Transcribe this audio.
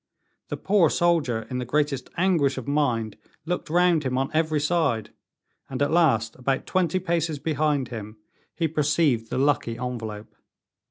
The poor soldier in the greatest anguish of mind looked round him on every side, and at last, about twenty paces behind him, he perceived the lucky envelope.